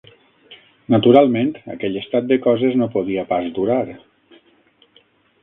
Naturalment, aquell estat de coses no podia pas durar